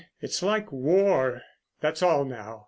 It's like war. That's all now.